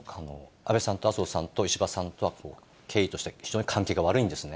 安倍さんと麻生さんと石破さんは、経緯としては非常に関係が悪いんですね。